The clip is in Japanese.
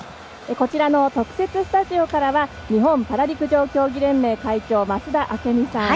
こちらの特設スタジオからは日本パラ陸上競技連盟会長増田明美さん